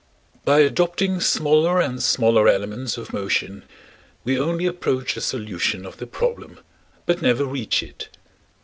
By adopting smaller and smaller elements of motion we only approach a solution of the problem, but never reach it.